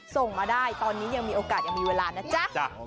ส่งมาได้ตอนนี้ยังมีโอกาสยังมีเวลานะจ๊ะ